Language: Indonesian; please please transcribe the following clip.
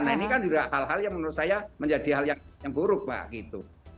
nah ini kan juga hal hal yang menurut saya menjadi hal yang buruk pak gitu